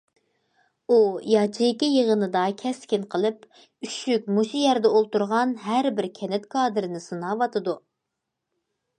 ئۇ ياچېيكا يىغىنىدا كەسكىن قىلىپ: ئۈششۈك مۇشۇ يەردە ئولتۇرغان ھەر بىر كەنت كادىرىنى سىناۋاتىدۇ.